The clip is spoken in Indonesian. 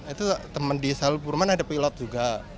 itu temen di seluruh perumahan ada pilot juga